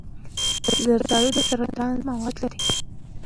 زردآلو د سرطان ضد مواد لري.